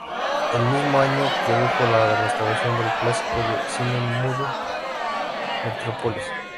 El mismo año, produjo la restauración del clásico de cine mudo "Metrópolis".